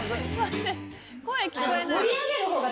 声聴こえない。